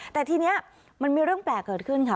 แต่ทีนี้มันมีเรื่องแปลกเกิดขึ้นค่ะ